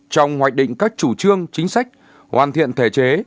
trong hoạch định các chủ trương chính sách hoàn thiện thể chế